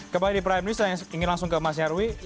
kembali di prime news saya ingin langsung ke mas nyarwi